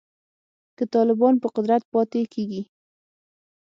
که طالبان په قدرت پاتې کیږي